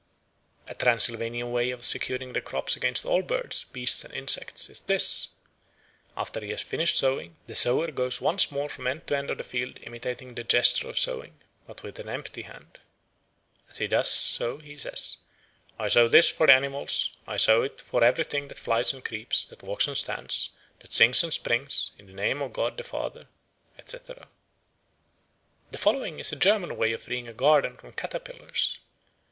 A Transylvanian way of securing the crops against all birds, beasts, and insects, is this: after he has finished sowing, the sower goes once more from end to end of the field imitating the gesture of sowing, but with an empty hand. As he does so he says, "I sow this for the animals; I sow it for every thing that flies and creeps, that walks and stands, that sings and springs, in the name of God the Father, etc." The following is a German way of freeing a garden from caterpillars.